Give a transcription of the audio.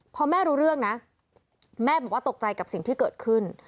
พอแม่รู้เรื่องนะแม่บอกว่าตกใจกับสิ่งที่เกิดขึ้น